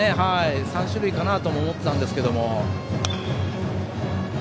３種類かなと思っていたんですけど。